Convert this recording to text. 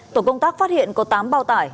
tổ công tác phát hiện có tám bao tải